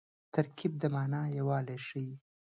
ترکیب د مانا یووالی ښيي.